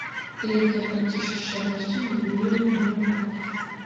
erekana igishushanyo cy'umubiri w'umuhungu